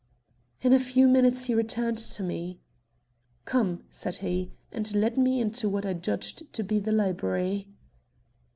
In a few minutes he returned to me. "Come," said he, and led me into what I judged to be the library.